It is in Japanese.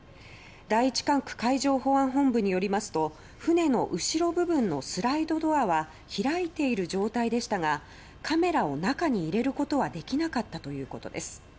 第１管区海上保安本部によりますと船の後ろ部分のスライドドアは開いている状態でしたがカメラを中に入れることはできなかったということです。